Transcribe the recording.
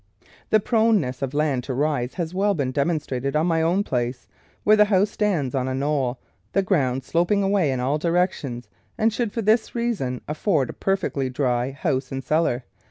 The proneness of land to rise has been well dem onstrated on my own place, where the house stands on a knoll, the ground sloping away in all direc tions, and should, for this reason, afford a per fectly dry house and cellar.